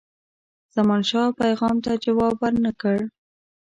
زمانشاه پیغام ته جواب ورنه کړ.